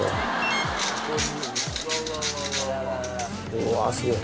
うわすげぇ。